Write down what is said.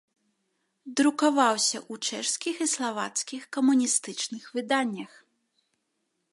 Друкаваўся ў чэшскіх і славацкіх камуністычных выданнях.